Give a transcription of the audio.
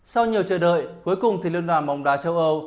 sau nhiều chờ đợi cuối cùng thì liên đoàn bóng đá châu âu